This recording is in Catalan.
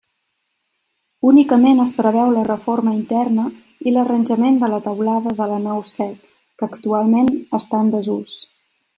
Únicament es preveu la reforma interna i l'arranjament de la teulada de la nau set, que actualment està en desús.